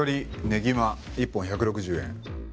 ねぎま１本１６０円。